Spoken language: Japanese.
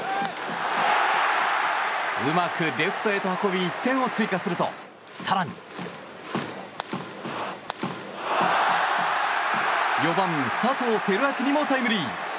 うまくレフトへと運び１点を追加すると更に４番、佐藤輝明にもタイムリー。